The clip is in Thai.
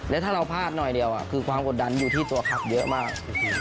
แล้วถ้าเราพลาดหน่อยเดียวคือความกดดันอยู่ที่ตัวขับเยอะมาก